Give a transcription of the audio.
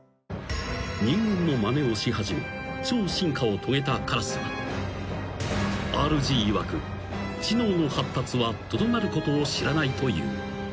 ［人間のまねをし始め超進化を遂げたカラスはＲＧいわく知能の発達はとどまることを知らないという］